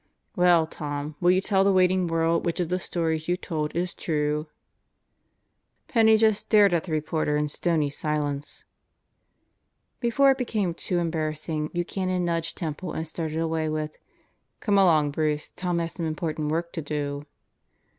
"Well, Tom, will you tell the waiting world which of the stories you told is true?" Penney just stared at the reporter in stony silence. Before it became too embarrassing, Buchanan nudged Temple and started away with: "Come along, Bruce, Tom has some important work to do."